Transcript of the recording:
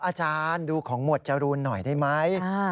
อาจารย์ดูของหมวดจรูนหน่อยได้ไหม